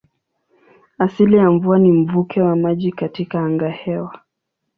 Asili ya mvua ni mvuke wa maji katika angahewa.